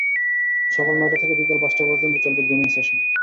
সকাল নয়টা থেকে বিকেল পাঁচটা পর্যন্ত চলবে গ্রুমিং সেশন।